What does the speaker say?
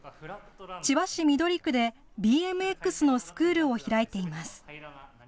千葉市緑区でＢＭＸのスクールを開いています。